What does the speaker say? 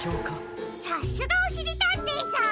さすがおしりたんていさん！